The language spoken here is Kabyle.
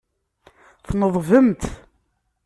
Tneḍbemt.